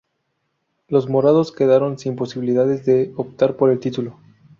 Los morados quedaron sin posibilidades de optar por el título.